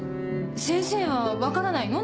先生は分からないの？